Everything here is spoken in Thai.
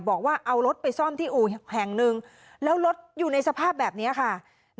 บอกว่าเอารถไปซ่อมที่อู่แห่งหนึ่งแล้วรถอยู่ในสภาพแบบนี้ค่ะ